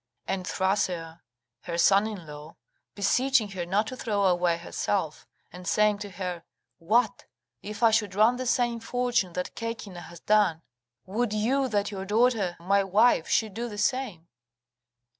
And Thrasea, her son in law, beseeching her not to throw away herself, and saying to her, "What! if I should run the same fortune that Caecina has done, would you that your daughter, my wife, should do the same?"